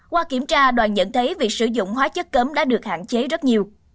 qua kiểm tra đoàn nhận thấy việc sử dụng hóa chất cấm đã được hạn chế rất nhiều